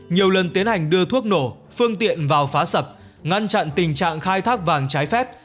nhiều lần tiến hành đưa thuốc nổ phương tiện vào phá sập ngăn chặn tình trạng khai thác vàng trái phép